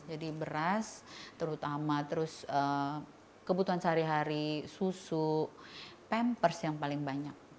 jadi beras terutama terus kebutuhan sehari hari susu pampers yang paling banyak